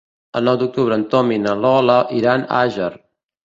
El nou d'octubre en Tom i na Lola iran a Àger.